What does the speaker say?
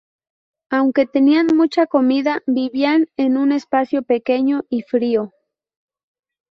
Aunque tenían mucha comida, vivían en un espacio pequeño y frío.